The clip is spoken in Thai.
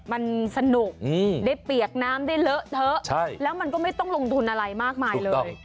มันสนุกได้เปียกน้ำได้เลอะเถอะแล้วมันก็ไม่ต้องลงทุนอะไรมากมายเลย